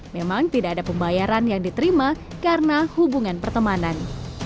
memang tidak ada pembayaran yang diterima karena hubungan pertemanan